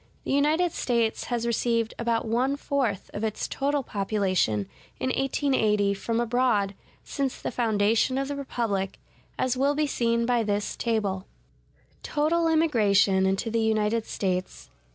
The United States has received about one fourth of its total population in 1880 from abroad since the foundation of the republic, as will be seen by this table: Total Immigration Into The United States.